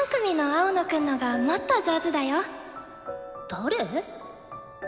誰？